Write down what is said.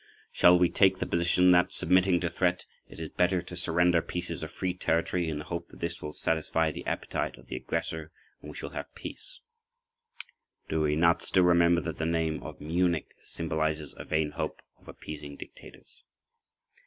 Shall we take the position that, submitting to threat, it is better to surrender pieces of free territory in the hope that this will satisfy the appetite of the aggressor and we shall have peace?[pg 11] Do we not still remember that the name of "Munich" symbolizes a vain hope of appeasing dictators?